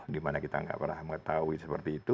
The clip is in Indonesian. dua ribu dua puluh dimana kita gak pernah mengetahui seperti itu